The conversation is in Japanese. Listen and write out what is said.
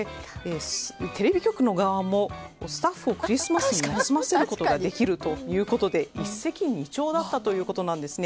テレビ局側もスタッフをクリスマスに休ませることができるということで一石二鳥だったということなんですね。